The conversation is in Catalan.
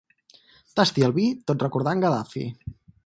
Tasti el vi tot recordant Gadafi.